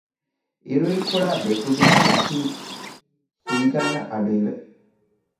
އިރުއިރުކޮޅާ ދެކުދިން އެކީ ހީގަންނަ އަޑުއިވެ